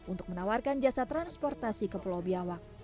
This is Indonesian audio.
untuk menawarkan jasa transportasi ke pulau biawak